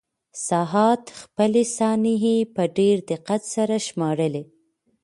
ساعت خپلې ثانیې په ډېر دقت سره شمارلې.